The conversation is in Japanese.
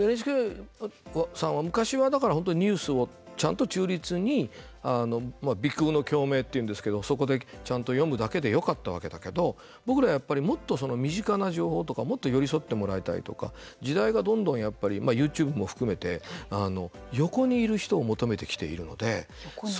ＮＨＫさんは昔はだから本当にニュースをちゃんと忠実に鼻腔の共鳴っていうんですけどそこでちゃんと読むだけでよかったわけだけど僕らはやっぱり、もっと身近な情報とかもっと寄り添ってもらいたいとか時代がどんどんやっぱりＹｏｕＴｕｂｅも含めて横にいる人を求めてきているので。